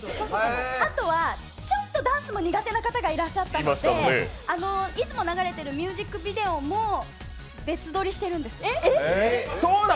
あとはちょっとダンスも苦手な方もいらっしゃったのでいつも流れているミュージックビデオも別撮りしてるんです。